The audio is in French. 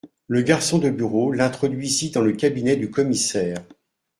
Le garçon de bureau l'introduisit dans le cabinet du commissaire.